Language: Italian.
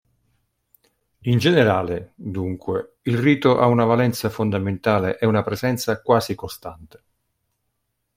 In generale, dunque, il rito ha una valenza fondamentale e una presenza quasi costante.